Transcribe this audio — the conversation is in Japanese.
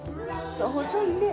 細いね。